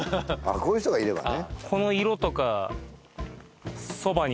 こういう人がいればね